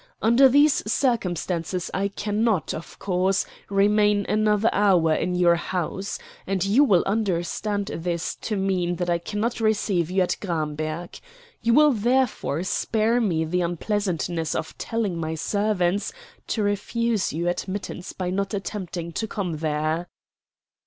Under these circumstances I cannot, of course, remain another hour in your house; and you will understand this to mean that I cannot receive you at Gramberg. You will therefore spare me the unpleasantness of telling my servants to refuse you admittance by not attempting to come there."